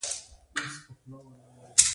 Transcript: افغانستان له بادي انرژي ډک دی.